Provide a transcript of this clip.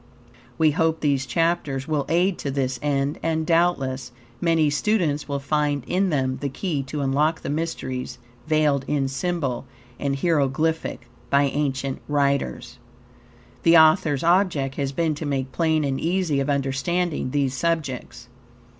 We hope these chapters will aid to this end, and doubtless many students will find in them the key to unlock the mysteries veiled in symbol and hieroglyphic by ancient writers. The author's object has been to make plain and easy of understanding these subjects.